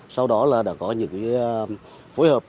sau đó đã có những phối hợp